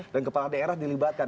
dan kepala daerah dilibatkan